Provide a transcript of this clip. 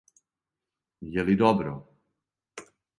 Је ли добро.